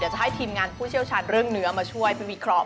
จะให้ทีมงานผู้เชี่ยวชาญเรื่องเนื้อมาช่วยเป็นวิเคราะห